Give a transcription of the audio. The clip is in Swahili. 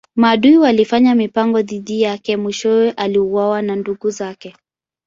Maadui walifanya mipango dhidi yake mwishowe aliuawa na ndugu zake.